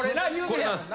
これなんです。